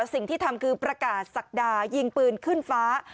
สิ่งที่ทำคือประกาศศักดายิงปืนขึ้นฟ้า